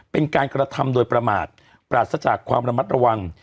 เป็นการกระทำโดยประมาทปราศจากความระมัดระวัง